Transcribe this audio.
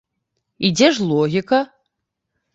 І дзе ж логіка?